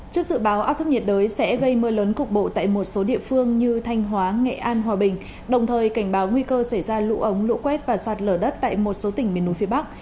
trước dự báo áp thấp nhiệt đới sẽ gây mưa lớn cục bộ tại một số địa phương như thanh hóa nghệ an hòa bình đồng thời cảnh báo nguy cơ xảy ra lũ ống lũ quét và sạt lở đất tại một số tỉnh miền núi phía bắc